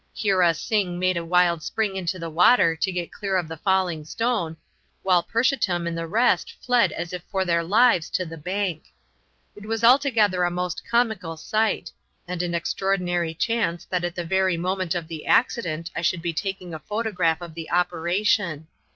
Heera Singh made a wild spring into the water to get clear of the falling stone, while Purshotam and the rest fled as if for their lives to the bank. It was altogether a most comical sight, and an extraordinary chance that at the very moment of the accident I should be taking a photograph of the operation.